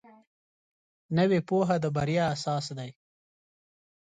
نوې پوهه د بریا اساس دی